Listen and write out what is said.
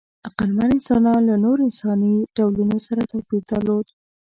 عقلمن انسانان له نورو انساني ډولونو سره توپیر درلود.